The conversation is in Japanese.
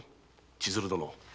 千鶴殿。